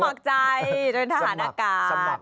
สมัครใจเป็นทหารอากาศ